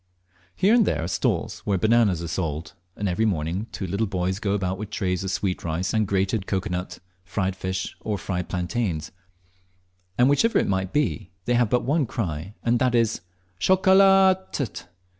Here and there are stalls where bananas are sold, and every morning two little boys go about with trays of sweet rice and crated cocoa nut, fried fish, or fried plantains; and whichever it may be, they have but one cry, and that is "Chocolat t t!"